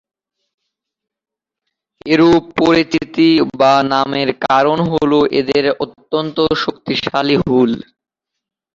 এরূপ পরিচিতি বা নামের কারণ হলো এদের অত্যন্ত শক্তিশালী হুল।